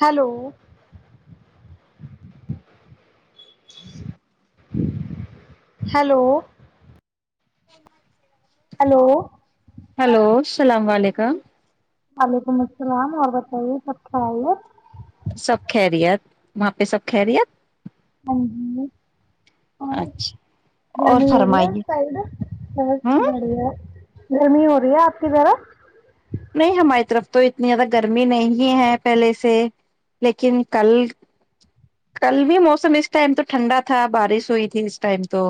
hello [inaudible] hello [inaudible] hello hello السلام علیکم وعلیکم السلام اور بتائیے سب خال ہے سب خیریت وہاں پہ سب خیریت ہ ہ [inaudible] اور اچھا اور گرمی ہو رہی ہے اس فرمائیے سائڈ بت ہوں بڑیا گرمی ہو رہی ہے آپ کی ذرا نہیں ہماری طرف تو اتنی زیادہ گرمی نہیں ہے پہلے سے لیکن کل کل بھی موسم اس ٹائم تو ٹھنڈا تھا بارش ہوئی تھی اس ٹائم تو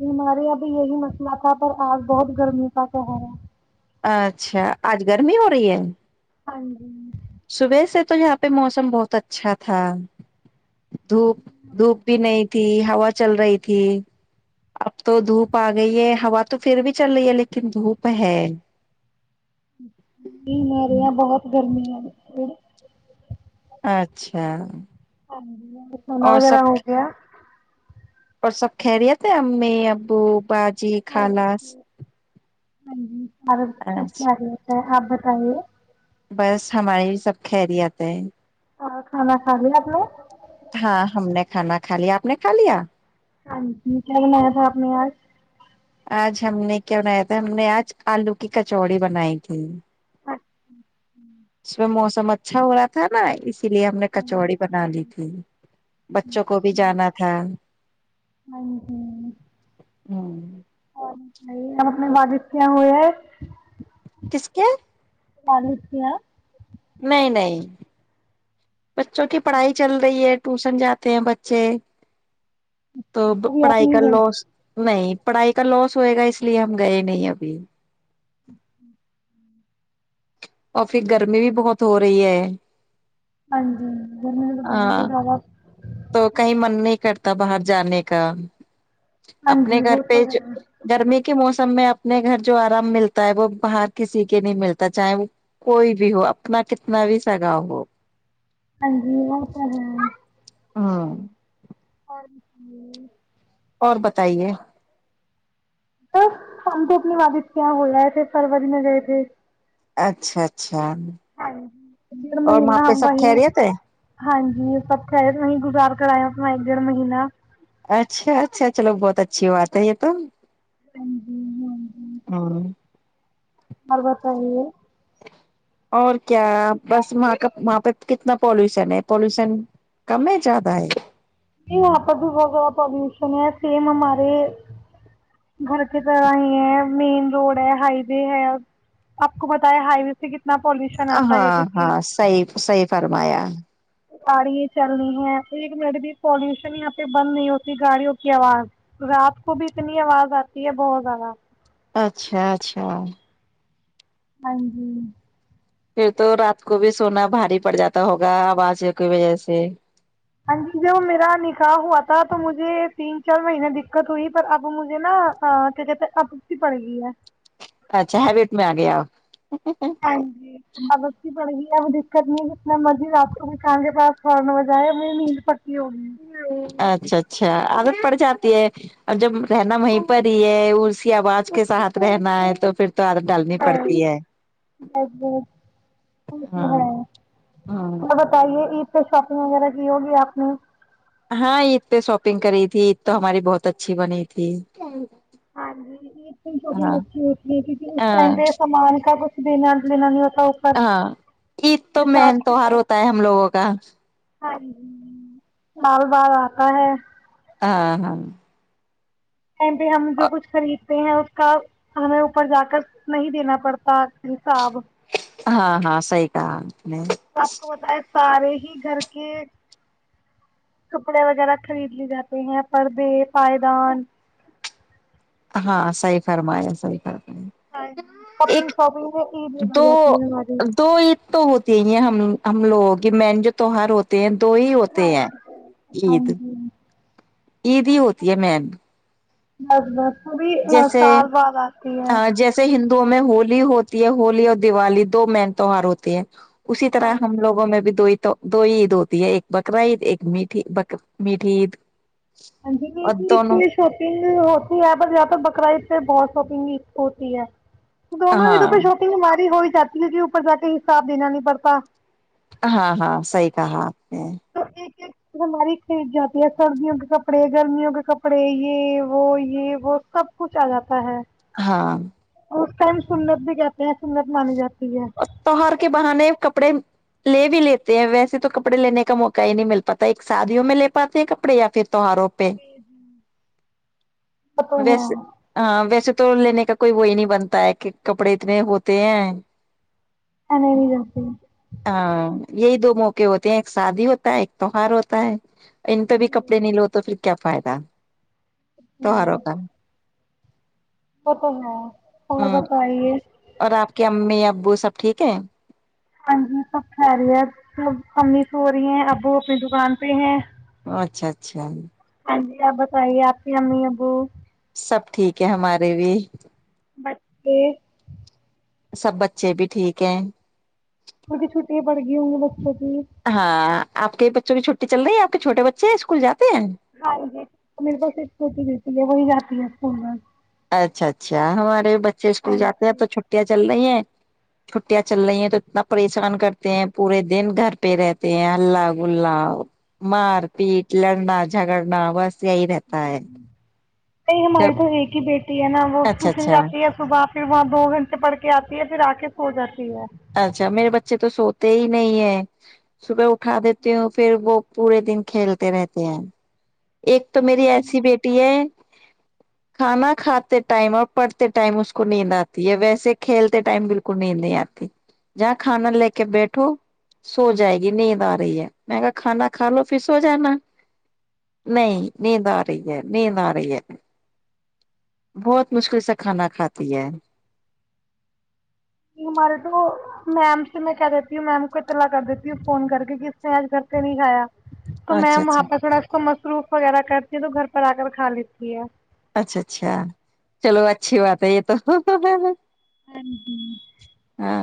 ہم ہمارے اب یہی مسئلہ تھا پر آج بہت گرمی کا کہہر ہے اچھا آج گرمی ہو رہی ہے ہاں جی صبح سے تو یہاں پہ موسم بہت اچھا تھا دھوپ دھوپ بھی نہیں تھی ہوا چل رہی تھی اب تو دھوپ آ گئی ہے ہا تو پھر بھی چل رہی ہے لیکن دھوپ ہے نہیں مری یہ بہت گرمی ہے وہ [unintelligible] اچھا [unintelligible] ہاں ج سونا اور وغیر سب ہو گیا اور سب کہرییے تھے امی ابو باج جی ہاں خالص جی ہاں جی اور ب سب کیا رہتے ہے [unintelligible] آبت ہے [unintelligible] بس ہماراری سب خری آتا ہے ہاں کھانا کھال اپ نے ہاں ہم نے کھانا کھا لیا آپ نے کھا لیا ہاں جی کیا بنا پمی آج [unintelligible] آج ہم نے کیا بنایا تھا ہم نے آج آلو کی کچوڑی بنائی تھی اس موسم م اچھا ہو رہا تھا نا اس [unintelligible] کے لیے ہم نے ہاں کچوڑی جی بنا لی تھی بچوں کو بھی اچھا جانا تھا ہاں جی ہوں [unintelligible] نہیں ہم اپنے والادف کیا ہوئے ہے کس کے [unintelligible] والکیہ [unintelligible] نہیں نہیں بچوں کی پڑھائی چل رہی ہے ٹوشن جاتے ہیں بچے تو ابھی آپ پڑھائی کا نہیں گئے لوس نہیں پڑھائی کا لوس ہوئے گا اس لیے ہم گئے نہیں ابھی اچ [unintelligible] اور پھر گرمی بھی بہت ہو رہی ہے ہاں جی گ تو بہت ہاں ہی زیادہ [unintelligible] تو کہیں من نہیں کرتا باہر جانے کا ہاں اپنے جی گھر وہ پہ تو ہے گرمی کے موسم میں آپ اپنے گھر جو آرام ملتا ہے وہ باہر کسی کے نہیں ملتا چاہے وہ کوئی بھی ہو اپنا کتنا بھی سگاؤ ہو ہاں جی وہ پ تو ہے ہاں ہاں جی [unintelligible] اور بتائیے س ہم تو اپنی والادد کے یہاں بول رہے تھے فروری میں گئے تھے اچھا اچھا اچ ہاں جی ڈیڑھ اور وہاں مہینہ پہ ہم سب وہیں خیریت ہے ہاں جی سب خیر وہی گزار کرایا اپنا ایک ڈیڑھ مہینہ اچھا اچھا چلو بہت اچھی ہو بات ہے یہ تو ہاں جی ہاں جی ہاں اور بتائیے اور کیا بس وہاں کا وہاں پہ کتنا پالوشن ہے پالوشن کم ہے زیادہ ہے نہیں یہاں پر بھی بہت زیادہ پالوشن ہے سیم ہمارے گھر کی طرح ہی ہے مین روڈ ہے ہائی وے ہے آپ کو بتایا ہائی وے سے کتنے ہ ہاں ہاں صحی صحی فرمایا گاڑی چلنی ہے ایک منٹ بھی پولوشن یہاں پہ بند نہیں ہوتی گاڑیوں کی آواز رات کو بھی اتنی آواز آتی ہے بہت زیادہ اچھا اچھا ہاں جی پھر تو رات کو بھی سونا بھاری پڑ جاتا ہوگا آواز کی وجہ سے ہ جی جب میرا نکاح ہوا تھا تو مجھے تین چار مہینے دقت ہوئی پر اب مجھے نا کیا کہتے ہیں ابتی پڑ گئی ہے اچھا ہی ویٹ میں آ گیا آپ ہاں جی سگت کی پڑے گی [unintelligible] اب دقت نہیں ہے جتنا مرضی آپ کو بھی کان کے پاس سڑن بج جائے ا میند پڑتی ہوی [unintelligible] اچھا اچھا عادت پڑ جاتی ہے ا جب رہنا وہیں پر ہی ہے اسی آواز کے ساتھ رہنا ہے تو پھر تو عادت ڈالنی ج پڑتی ہے ہاں ہے ہاں تو بتائیے عید پہ شاپنگ وغیرہ کی ہوگی آپ ن [unintelligible] ہاں عید پہ شاپنگ کری تھی عید تو ہماری بہت اچھی بنی تھی ہاں جی عید کی شپوینگ ہاں اچھی ہوتی ہے کیونکہ اس ٹائم پہ سامان کا دنا لینا نہی ہاں عید تو من تیوار ہوتا ہے ہم لوگوں کا ہ ج سال بار آتا ہے ہاں ہاں کہیں پہ ہم جو کچھ خرید ہیں اس کا ہمیں اوپر جا کر نہیں دینا پڑتا حساب ہاں ہاں صحیح کا نہیں آپ کو بتائے سارے ہی گھر کے کپڑے وغیرہ خرید لیے جاتے ہیں پردے پائدان ہاں صحیح فرمایا صحیح فرما ہاں جی کپنگ شاپنگ میں عید دو ہو جاتی ہے ہمارے دو عید تو ہوتی ہی ہیں ہم ہم لوگوں کی مین جو تیوہار ہوتا دو ہی ہوتے ہیں ہاں عید جی عید ہی ہوتی ہے مین بہت بہت ابھی جیسے سال بعد آتی ہے ہاں جیسے ہندوؤں میں ہولی ہوتی ہے ہولی اور دیوالی دو مین تیوہار ہوتے ہیں اسی ہاں طرح ہم جی لوگوں میں بھی دوئی تو دو عید ہوتی ہے ایک بقرا عید ایک میٹھی ب میٹھی عید [inaudible] اور ہوتی دونوں ہے پر جہاں تر بکرا عید پہ بہت شاپنگ ہوتی ہے دونوں ا ہاں د پہ چھوٹی بیماری ہوئی چچلیٹی اوپر جا کے حساب دینا نہیں پڑتا ہاں ہاں صحیح کہا نے [inaudible] ہماری پھیچ جاتی ہے سردیوں کے کپڑے گرمیوں کے کپڑے یہ وہ یہ وہ سب کچھ آ جاتا ہے ہاں اور اس ٹائم سنت بھی کہتے ہیں سنت مانے جاتی ہے تیوہر کے بنانے کپڑے لے بھی لیتے ہیں ویسے تو کپڑے لینے کا موقع ہی نہیں مل پاتا ایک شادیوں میں لے پاتے ہیں کپڑے یا پھر تیوہاروں پہ وہ تو ہے ویسے ایسے ہاں ویسے تو لینے کا کوئی وہی نہیں بنتا ہے کہ کپڑے اتنے ہوتے ہیں [inaudible] ہاں یہی دو موقع ہوتے ہیں ایک شادی ہوتا ہے ایک تیوار ہوتا ہے ان پہ بھی کپڑے نہیں لو تو پھر کیا فائدہ تو ہے آارو کام وہ تو ہے ہ اور بتائیے اور آپ کی امی ا ابو سب ٹھیک ہے ہاں جی سب خہل ہے سب کمینی س ہو رہی ہیں اب وہ اپنی دکان پہ ہیں اچھا اچھا ہاں جی آپ بتائیے آپ کی امی ابو سب ٹھیک ہے ہمارے بھی بچے سب بچے بھی ٹھیک ہیں مجھے چھٹٹی پڑ گئی ہوں گ بس ہاں آ کے بچوں کی چھٹی چل رہی ہےپ کےھوے بچے ہیں اسکول جا ہاں یہ میرے پاس سوتی دیتی ہے وہی جات پ اچھا اچھا ہمارے ب بچے اسکولاتے ہیں ا تو نہیں چھٹیا چل رہی ہیں چھٹیاں چل رہی ہیں تو اتنا پریشان کرتے ہیں پورے دن گھر پہ رہتے ہیں ہلہ گلا مار پیٹ لڑنا جھگڑنا بس یہی رہتا ہے یہ جب ہمالے تو ہے کہ بیٹ تی ہے نا وہ اچھا ٹیوشن اچھا جاتی ہے صبح پھر وہاں دو گھنٹے پڑ کے آتی ہے پھر آ کے سو جاتی ہے اچھا میرے بچے تو سوتے ہی نہیں ہے صبح اٹھا دیتی ہوں پھر وہ پورے دن کھیلتے رہتے ہیں ایک تو میری ایسی بیٹی ہے کھانا کھاتے ٹائم اور پڑھتے ٹائم اس کو نیند آتی ہے ویسے کھیلتے ٹائم بالکل نیند نہیں آتی جہاں کھانا لے کے بیٹھو سو جائے گی نیند آ رہی ہے میں کہ کھانا کھا لو پھر سو جانا نہیں نہ رہ یہ بہت مشکل سے کھانا کھاتا پ ہے ہمارے تو میم سے میں کہ دیتی ہوں میم کو اطلاع کر دیتی ہوں فون کر کے کہ اس نے آج گھر پ نہیں کھایا تو اچھا میم وہاں اچھا پہ تھوڑا اس م سروف وغیرہ کرتی ہے تو گھر پر آ کر کھا لیتی ہے اچھا اچھا چلو اچھی بات ہے یہ تو ہاں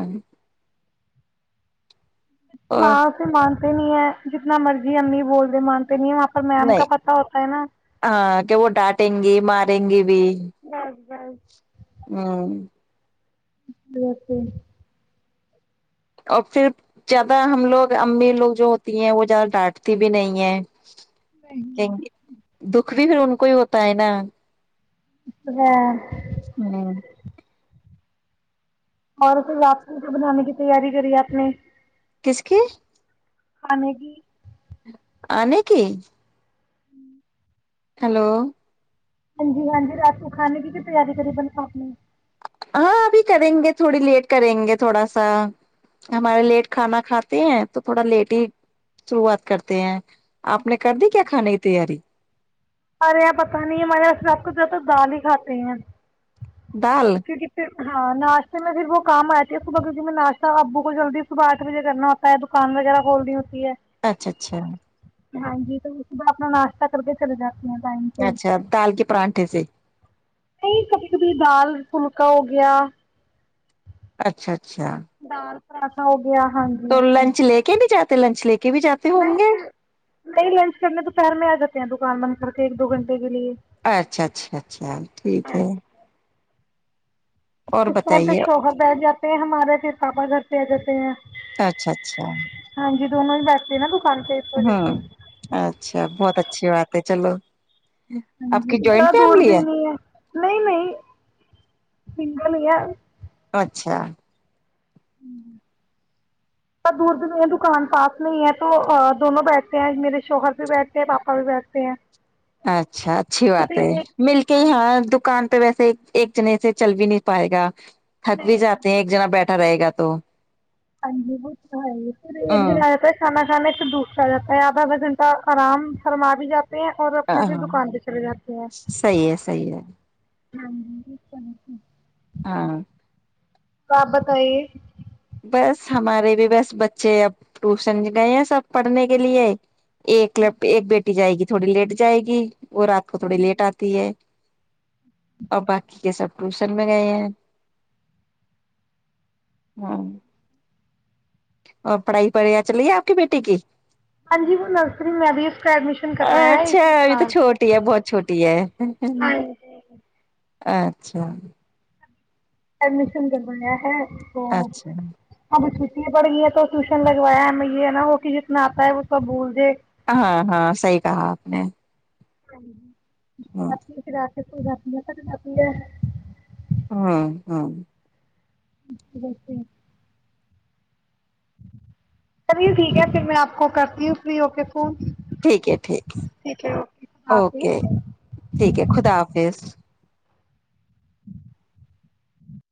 اور ماں سے م نہیں ہے جتنا مرضی امی بولتے من نہیں ہاں کہ وہ ڈانٹیں گی ماریں گے بھی ہاں بس ہوں پے اور پھر زیادہ ہم لوگ امی لوگ جو ہوتی ہیں وہ زیادہ ڈانٹتی بھی نہیں ہے دکھ کچ بھی پھر ان کو ہی ہوتا ہے نا ہے، [unintelligible] [inaudible] ہ اور اسھر رات کے بنانے کی تیاری کری اپپ نے کس کی [unintelligible] ہ کی [inaudible] آنےیک ہلو ہاں جی ہاں جی رات کو کانے کی کیا تیاری کری بن آپ نے ہاں ابھی کریں گے تھوڑی لیٹ کریں گے تھوڑا سا ہمارے لیٹ کھانا کھاتے ہیں تو تھوڑا لیٹ ہی شروعات کرتے ہیں آپ نے کر دی کیا کھانے کی تیاری ارے یہاں پتا نہیں ہمارے یہاںس آپ کو زیاہ دال ہی کھاتے ہیںا دال ہاں ناشتے میں پھر وہ کام آتی ہے صبح کیونکہ میں ناشتہ ابو کو جلدی صبح آٹھ بجے کرنا ہوتا ہے دکان وغیرہ کھولنی ہوتی ہے اچھا اچھا ہاں جی تو اس ب اپنا ناشتہ کر کے چلے جا [unintelligible] اچھا دال کے پرانٹھے سے نہیں کبھی کبھی دال پھلکا ہو گیا اچھا اچھا اچھا [unintelligible] اا [unintelligible] تو لنچ لے کے نہیں جاتتے لنچ لے کے بھی جاتے ہوں نہیں گے پ نہیں لنچ کرنے دوپہر میں آ جاتے ہیں دکان بند سک ایک دو گھٹے گیے اچھا اچھا اچھا ٹھیک ہے اور اس ٹائم پ بتائیے شوہر بیٹھ جاتے ہیں ہمارے پ پپا گھر پہ جتے ہیں اچھا اچھا [unintelligible] ہاں جی دونوں ہی بستے ہیںا ہاں اچھا بہت اچھا اچھی بات ہے چلو ہاں آپ جی کی جہ جوائنٹ دور فیملی بھی نہیں ہے نہیں نہیں سگلیا اچھا دور د ہے دکان پاس نہیں ہے تو دونوں بیٹھتے ہیں میرے شوہر بھی بیٹھتے ہیں پاپا بھی بیٹھتے ہیں اچھا اچھی تو بات پھر ہے ایک مل کے ہی ہاں دکان تو ویسے ایک جنے سے چل بھی نہیں پائے گا تھک بھی جاتے ہیں ایک جنا بیٹھے اھا رہے گا تو ہاںی بت [unintelligible] ریٹ ہ بھی لگاتا ہے سامان [unintelligible] کھانے سے دور جاتا ہے آدا آھا گھنٹہ آرام فرما بھی جاتا ہے ہیں اور اپنا اپنی ہاں دکان پہ چلے جاتے ہیں صحیح ہے صحیح ہے ہاں ج ج [unintelligible] ہاں بابتائی بس ہمارے بھی بس بچے اب ٹیوشن گئے ہیں سب پڑھنے کے لیے ایک ل ایک بیٹی جائے گی تھوڑی لیٹ جائے گی وہ رات کو تھوڑی لیٹ آتی ہے اور باقی کے سب ٹیوشن میں گئے ہیں ہاں اور پڑھائی پڑھیا چلیے آپ کی بیٹی کی ہاں جی وہ نرسری میں بھی اس کا ایڈمیشن کروایا ہے اچھا اسی ابھی تو سال چھوٹی ہے بہت چھوٹی ہے ہاں جی اچھا ایڈمیشن کر ب لیا ہے تو اچھا اب [unintelligible] ا پڑ گئی ہیں تو ٹیوشن لگوایا یہ ہے نا وہ کہ جتنا آتا ہے وہ سب بھول دے ہاں ہاں صحیح کہا آپ نے ہاں ہ [unintelligible] رپ پات [unintelligible] تو جات تھا ج [unintelligible] ہاں ہاں اچ بسے [unintelligible] چلیے ٹھیک ہے پھر میں آپ کو کرتی ہوں اس لیے اوک ٹھیک ہے ٹھیک ہے اوکے خدا اوکے حافظ ٹھیک ہے خدا حافظ جی [inaudible] [unintelligible]